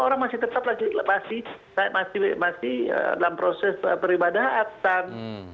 orang masih tetap masih dalam proses beribadah atas